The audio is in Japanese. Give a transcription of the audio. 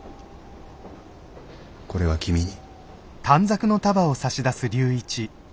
これは君に。